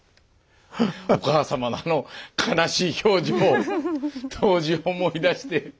お母さまのあの悲しい表情当時を思い出して。